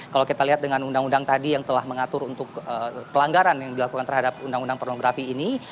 kalau kita lihat dengan undang undang tadi yang telah mengatur untuk pelanggaran yang dilakukan terhadap undang undang pornografi ini